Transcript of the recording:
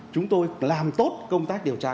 chúng tôi làm tốt công tác điều tra